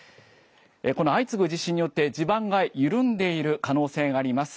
この相次ぐ地震によって地盤が緩んでいる可能性があります。